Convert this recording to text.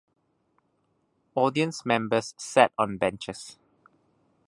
Audience members sat on benches.